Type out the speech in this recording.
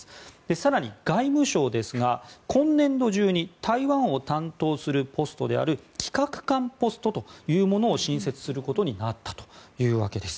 更に、外務省ですが今年度中に台湾を担当するポストである企画官ポストというものを新設することになったということです。